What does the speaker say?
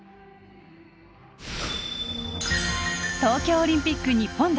東京オリンピック日本代表